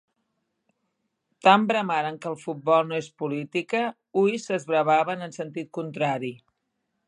Tant bramaren que el futbol no és política, hui s'esbraven en sentit contrari...